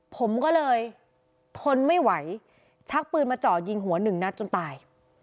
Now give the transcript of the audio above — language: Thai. ผมก็เลยทนไม่ไหวชักปืนมาเจาะยิงหัวหนึ่งนัดจนตาย